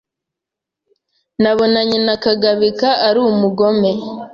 Nabonanye na Kagabika ari umugome.